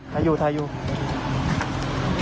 ถ่ายอยู่ถ่ายอยู่